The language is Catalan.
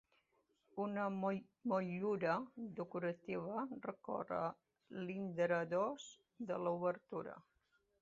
Una motllura decorativa recorre l'intradós de l'obertura.